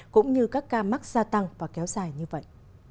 cũng như các ca mắc gia tăng và kéo dài như vậy